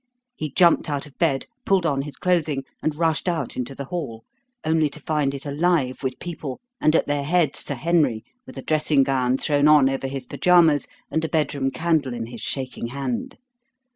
He jumped out of bed, pulled on his clothing, and rushed out into the hall, only to find it alive with people, and at their head Sir Henry, with a dressing gown thrown on over his pyjamas and a bedroom candle in his shaking hand.